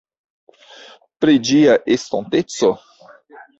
Pri Ĝia estonteco?